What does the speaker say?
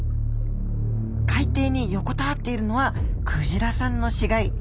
海底に横たわっているのはクジラさんの死骸。